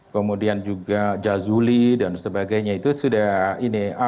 kemudian juga jazuli dan sebagainya itu sudah ini